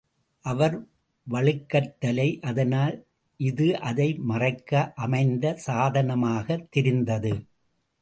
அவர் வழுக்கைத்தலை அதனால் இது அதை மறைக்க அமைந்த சாதனமாகத் தெரிந்தது.